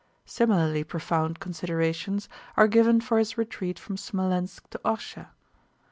Similarly profound considerations are given for his retreat from Smolénsk to Orshá.